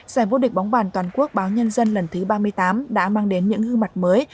giải vô địch bóng bàn toàn quốc báo nhân dân lần thứ ba mươi tám đã mang đến những hư mặt mới